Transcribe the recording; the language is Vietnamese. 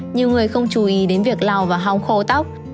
nhiều người không chú ý đến việc lau và hong khô tóc